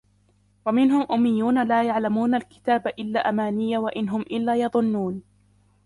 ومنهم أميون لا يعلمون الكتاب إلا أماني وإن هم إلا يظنون